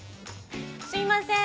すいません！